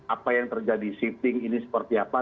apa yang terjadi shifting ini seperti apa